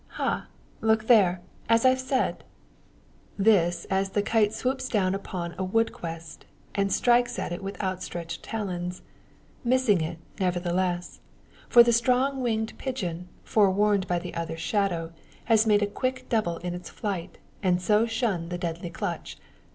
Ha! look there. As I've said!" This, as the kite swoops down upon a wood quest, and strikes at it with outstretched talons. Missing it, nevertheless; for the strong winged pigeon, forewarned by the other's shadow, has made a quick double in its flight, and so shunned the deadly clutch.